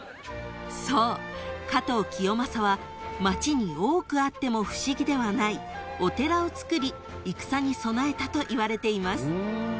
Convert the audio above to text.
［そう加藤清正は町に多くあっても不思議ではないお寺をつくり戦に備えたといわれています］